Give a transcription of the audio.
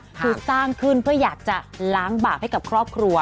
คือสร้างขึ้นเพื่ออยากจะล้างบาปให้กับครอบครัว